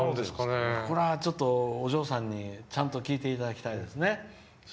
これはお嬢さんに聞いていただきたいですね。